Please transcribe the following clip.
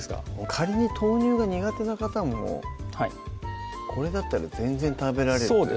仮に豆乳が苦手な方もこれだったら全然食べられるっていうか